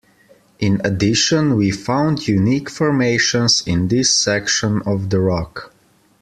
In addition, we found unique formations in this section of the rock.